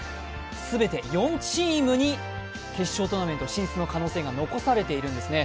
全て４チームに決勝トーナメント進出の可能性が残されているんですね。